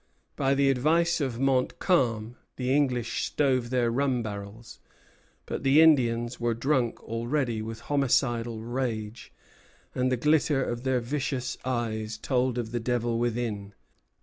By the advice of Montcalm the English stove their rum barrels; but the Indians were drunk already with homicidal rage, and the glitter of their vicious eyes told of the devil within.